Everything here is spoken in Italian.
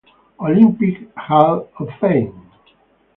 Olympic Hall of Fame.